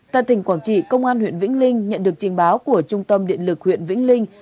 tại tỉnh quảng trị công an huyện vĩnh linh nhận được trình báo của trung tâm điện lực huyện vĩnh linh